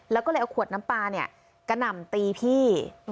แล้วก็เลยเอาขวดน้ำปลาเนี่ยกระหน่ำตีพี่